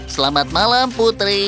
selamat malam putri